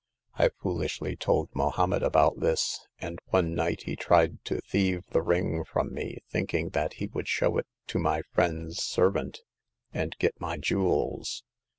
I fool ishly told Mohommed about this, and one night he tried to thieve the ring from me, thinking that he would show it to my friend's servant and get my jewels.